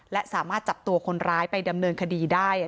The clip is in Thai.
และสามารถจับตัวคนร้ายไปดำเนินคดีได้